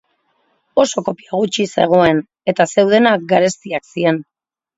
Oso kopia gutxi zegoen, eta zeudenak garestiak ziren.